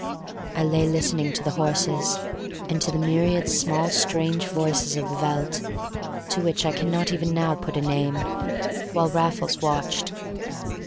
I lay listening to the horses, and to the myriad small strange voices of the veldt, to which I cannot even now put a name, while Raffles watched.